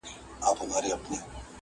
کتابونه یې په څنګ کي وه نیولي!!